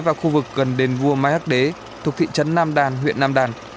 và khu vực gần đền vua mai hắc đế thuộc thị trấn nam đàn huyện nam đàn